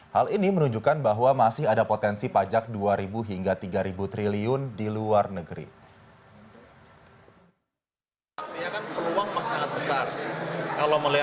hal ini menunjukkan bahwa masih ada potensi pajak dua ribu hingga tiga triliun di luar negeri